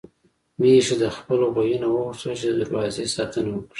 ميښې د خپل غويي نه وغوښتل چې د دروازې ساتنه وکړي.